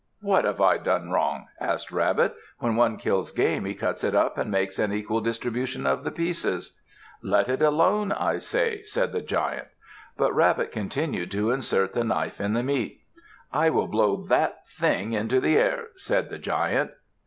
"What have I done wrong?" asked Rabbit. "When one kills game, he cuts it up and makes an equal distribution of the pieces." "Let it alone, I say," said the Giant. But Rabbit continued to insert the knife in the meat. "I will blow that thing into the air," said the Giant.